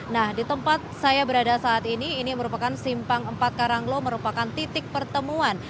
nah di tempat saya berada saat ini ini merupakan simpang empat karanglo merupakan titik pertemuan